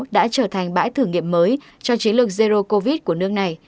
đã trở thành bãi thử nghiệm mới cho chiến lược zero covid của nước này